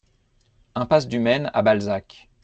Impasse du Maine à Balzac